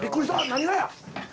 何がや？